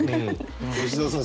吉澤さん